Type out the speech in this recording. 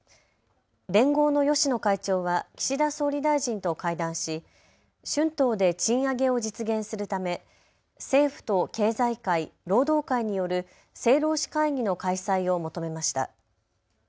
連合の芳野会長は岸田総理大臣と会談し春闘で賃上げを実現するため政府と経済界、労働界による政労使会議の開催を求めました。